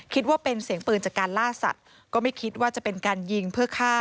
คิดว่าเป็นเสียงปืนจากการล่าสัตว์ก็ไม่คิดว่าจะเป็นการยิงเพื่อฆ่า